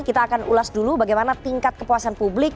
kita akan ulas dulu bagaimana tingkat kepuasan publik